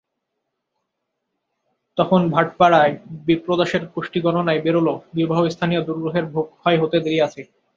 তখন ভাটপাড়ায় বিপ্রদাসের কুষ্ঠিগণনায় বেরোল, বিবাহস্থানীয় দুর্গ্রহের ভোগক্ষয় হতে দেরি আছে।